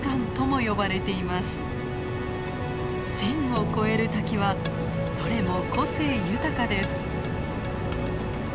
１，０００を超える滝はどれも個性豊かです。